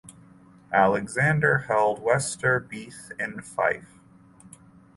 Alexander held Wester Beath in Fife.